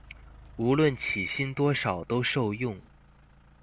無論起薪多少都受用